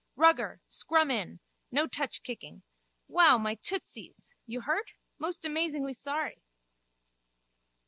Rugger. Scrum in. No touch kicking. Wow, my tootsies! You hurt? Most amazingly sorry!